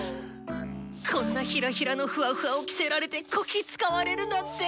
こんなヒラヒラのふわふわを着せられてこき使われるなんて。